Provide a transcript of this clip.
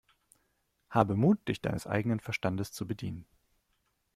Habe Mut, dich deines eigenen Verstandes zu bedienen!